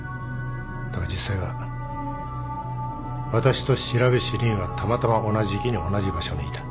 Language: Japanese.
だが実際は私と白菱凜はたまたま同じ時期に同じ場所にいた。